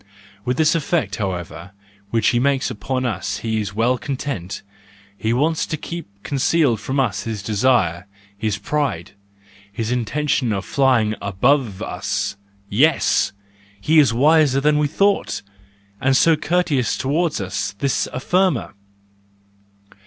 With this effect, however, which he makes upon us he is well content: he wants to keep concealed from us his desire, his pride, his intention of flying above us.—Yes! He is wiser than we thought, and so courteous towards us— this affirmer!